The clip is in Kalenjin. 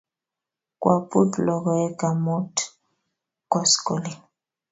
Kwaput logoek amut koskoling'